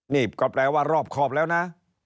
นี่ก็แปลว่ารอบครอบแล้วนะ